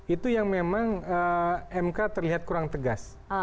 itu yang memang mk terlihat kurang tegas